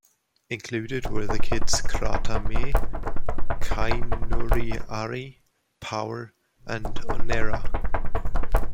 Included were the hits "Krata me", "Kainouria Arhi", "Power" and "Oneira".